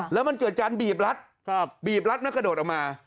แล้วมันเกิดการบีบรัดบีบรัดแล้วกระโดดออกมา